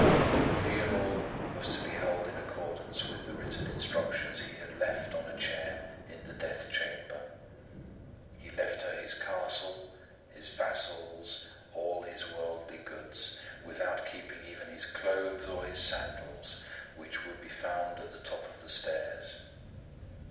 The funeral was to be held in accordance with the written instructions he had left on a chair in the death chamber. He left her his castle, his vassals, all his worldly goods, without keeping even his clothes or his sandals, which would be found at the top of the stairs.